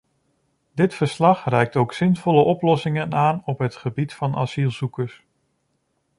Dit verslag reikt ook zinvolle oplossingen aan op het gebied van asielzoekers.